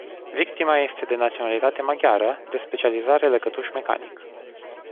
Victima este de naționalitate maghiară, de specializare lăcătuș mecanic.